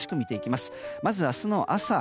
まず明日の朝。